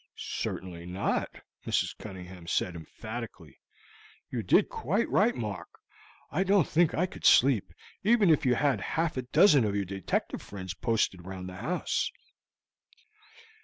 "Certainly not," Mrs. Cunningham said emphatically; "you did quite right, Mark. I don't think I could sleep, even if you had half a dozen of your detective friends posted round the house."